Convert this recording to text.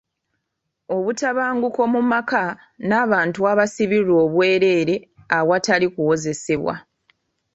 Obutabanguko mu maka, n'abantu abasibirwa obwereere awatali kuwozesebwa.